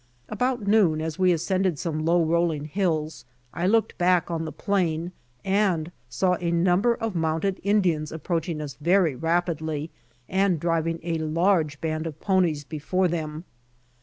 About noon, as we ascended some low rolling hills, I looked back on the plain and saw a number of mounted Indians approaching us very rapidly and driving a large band of ponies before them.